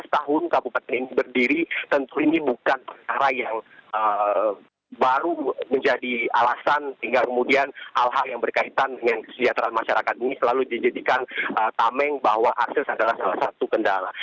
tujuh belas tahun kabupaten ini berdiri tentu ini bukan perkara yang baru menjadi alasan hingga kemudian hal hal yang berkaitan dengan kesejahteraan masyarakat ini selalu dijadikan tameng bahwa akses adalah salah satu kendala